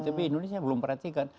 tapi indonesia belum perhatikan